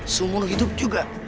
semuruh hidup juga